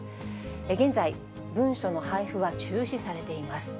現在、文書の配布は中止されています。